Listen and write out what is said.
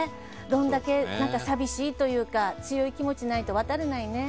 どんだけ寂しいというか強い気持ちないと渡れないね。